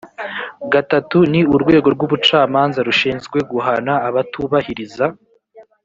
gatatu ni urwego rw ubucamanza rushinzwe guhana abatubahiriza